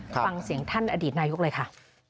ฟังเสียงท่านอดีตนายกเลยค่ะ